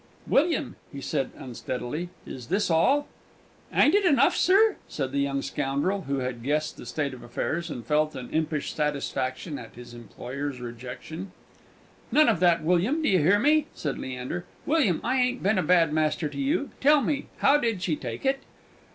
"William," he said unsteadily, "is this all?" "Ain't it enough, sir?" said the young scoundrel, who had guessed the state of affairs, and felt an impish satisfaction at his employer's rejection. "None of that, William; d'ye hear me?" said Leander. "William, I ain't been a bad master to you. Tell me, how did she take it?"